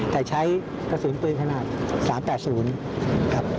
แต่ใช้กระสุนปืนขนาด๓๘๐ครับ